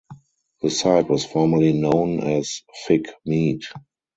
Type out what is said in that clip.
The site was formerly known as Fig Mead.